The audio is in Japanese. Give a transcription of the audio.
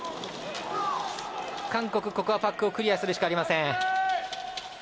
韓国、パックをクリアするしかありません。